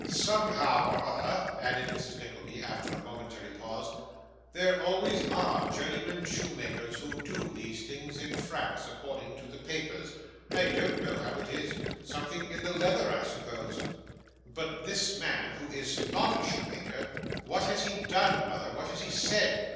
Somehow or other,' added Mrs. Nickleby, after a momentary pause, 'they always ARE journeyman shoemakers who do these things in France, according to the papers. I don't know how it is something in the leather, I suppose.' 'But this man, who is not a shoemaker what has he done, mother, what has he said?